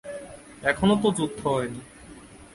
এখনও তো যুদ্ধ হয়নি।